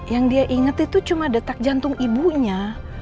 yang dia ingat itu cuma detak jantung ibunya